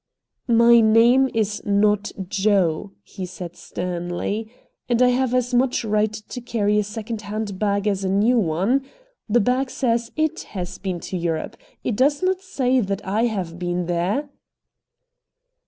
"My name is NOT Joe," he said sternly, "and I have as much right to carry a second hand bag as a new one. The bag says IT has been to Europe. It does not say that I have been there."